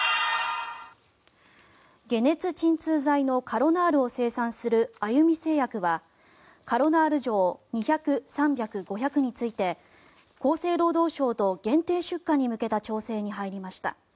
解熱鎮痛剤のカロナールを生産するあゆみ製薬はカロナール錠２００、３００、５００について厚生労働省と限定出荷に向けた調整に入りました。